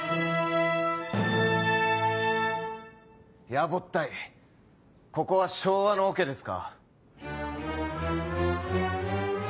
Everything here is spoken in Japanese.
やぼったいここは昭和のオケですか？